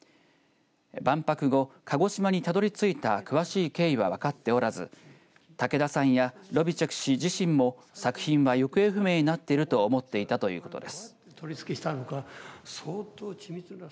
万博後、鹿児島にたどり着いた詳しい経緯は分かっておらず武田さんやロゥビチェク氏自身も作品は行方不明になっていると思っていたということです。